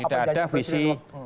tidak ada visi